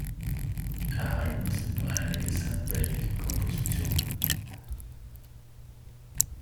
Erhalten sind nur einige seiner weltlichen Kompositionen.